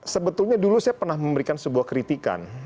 sebetulnya dulu saya pernah memberikan sebuah kritikan